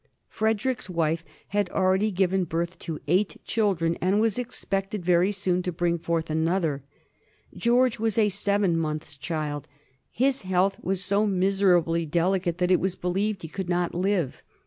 Frederick's wife had already given birth to eight children, and was expected very soon to bring forth another. George was a seven months' child. His health was so miserably deli cate that it was believed be could not live.